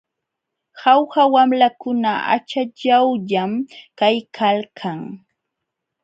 Jauja wamlakuna achallawllam kaykalkan.